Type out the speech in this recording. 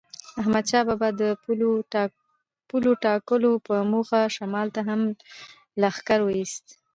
احمدشاه بابا د پولو ټاکلو په موخه شمال ته هم لښکر وایست.